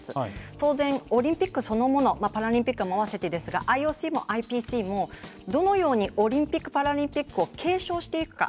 当然、オリンピックそのものパラリンピックも合わせてですがＩＯＣもＩＰＣも、どのようにオリンピック・パラリンピックを継承していくか。